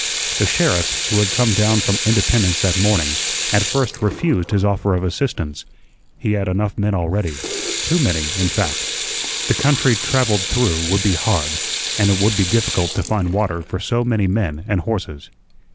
The sheriff, who had come down from Independence that morning, at first refused his offer of assistance. He had enough men already too many, in fact. The country travelled through would be hard, and it would be difficult to find water for so many men and horses.